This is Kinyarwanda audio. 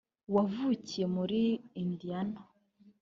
wavukiye mu muri Indiana